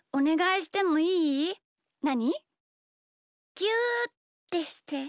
ぎゅうってして！